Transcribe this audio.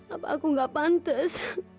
apa aku gak pantas